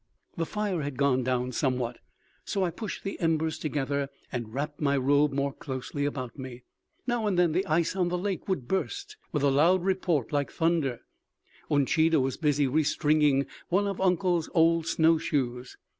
The fire had gone down somewhat, so I pushed the embers together and wrapped my robe more closely about me. Now and then the ice on the lake would burst with a loud report like thunder. Uncheedah was busy re stringing one of uncle's old snow shoes.